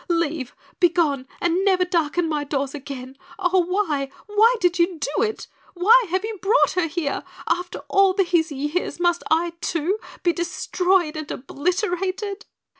Leave! Begone and never darken my doors again! Oh, why why did you do it? Why have you brought her here? After all these years must I too be destroyed and obliterated?"